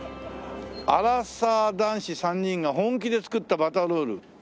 「アラサー男子３人が本気で作ったバターロール」